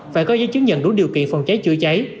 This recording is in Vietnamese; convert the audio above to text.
phải có giấy chứng nhận đủ điều kiện phòng cháy chữa cháy